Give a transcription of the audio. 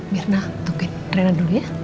mirna tungguin rena dulu ya